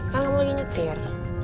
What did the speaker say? kan kamu lagi nyetir